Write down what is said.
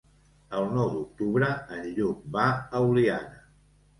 El nou d'octubre en Lluc va a Oliana.